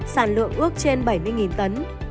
sản lượng ước trên bảy mươi tấn